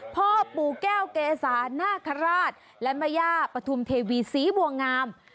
พ่อปู่แก้วเกษานาคาราชและแม่ย่าปฐุมเทวีศรีบัวงาม